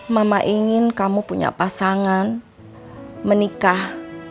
mama ingin kamu punya pasangan menikah